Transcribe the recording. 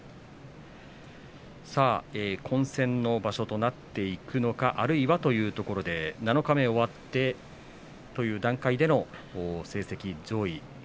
混戦の場所となっていくのかあるいはというところで七日目を終わってという段階での成績上位です。